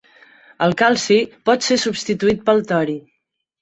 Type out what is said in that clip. El calci pot ser substituït pel tori.